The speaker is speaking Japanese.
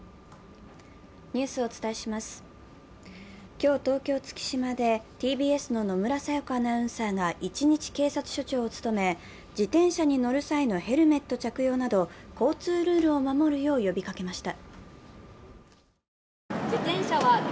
今日、東京・月島でＴＢＳの野村彩也子アナウンサーが一日警察署長を務め、自転車に乗る際のヘルメット着用など交通ルールを守るよう呼びかけました。